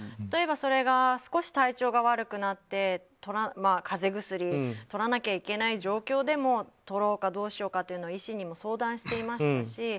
例えば、少し体調が悪くなって風邪薬をとらなきゃいけない状況でもとろうかどうしようかというのは医師に相談していましたし